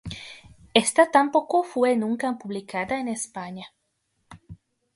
Esta tampoco fue nunca publicada en España.